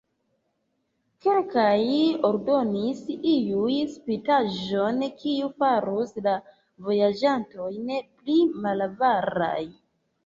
Kelkaj aldonis iun spritaĵon, kiu farus la vojaĝantojn pli malavaraj.